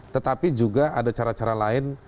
tetapi juga ada cara cara lain